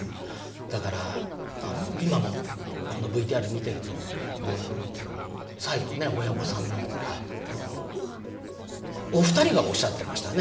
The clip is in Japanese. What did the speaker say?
だから今もこのＶＴＲを見てると最後の親御さんのお二人がおっしゃってましたね。